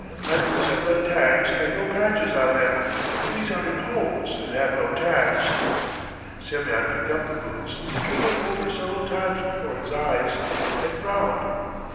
My boots have red tags and no patches on them, and these are in holes and have no tags." Semyon picked up the boots, turned them over several times before his eyes, and frowned.